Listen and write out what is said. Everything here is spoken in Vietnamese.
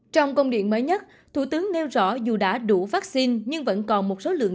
trong công điện mới nhất thủ tướng nêu rõ dù đã đủ vaccine nhưng vẫn còn một số lượng